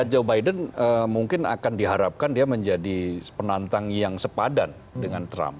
joe biden mungkin akan diharapkan dia menjadi penantang yang sepadan dengan trump